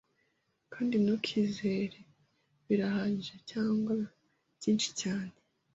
kandi ntukizere Birahagije cyangwa byinshi cyane